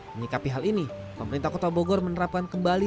menyikapi hal ini pemerintah kota bogor menerapkan kembali